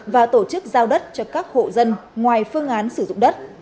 và tổ chức giao đất cho các hộ dân ngoài phương án sử dụng đất